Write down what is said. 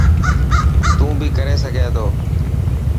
تون بي ڪري سگهي ٿو.